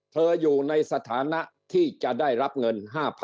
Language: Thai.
อยู่ในสถานะที่จะได้รับเงิน๕๐๐๐